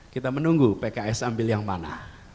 kita menunggu pks ambil yang mana